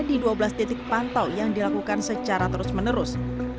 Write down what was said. di dua belas titik pantau yang dilakukan secara terus menerus